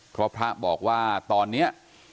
เพราะพระบอกว่าตอนนี้